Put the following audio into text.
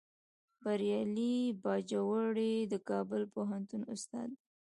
بریالی باجوړی د کابل پوهنتون استاد دی